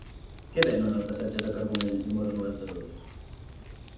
Què venen al passatge de Carbonell número noranta-dos?